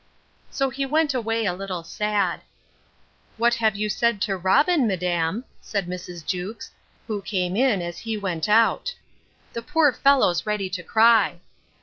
So he went away a little sad. What have you said to Robin, madam? said Mrs. Jewkes (who came in as he went out:) the poor fellow's ready to cry.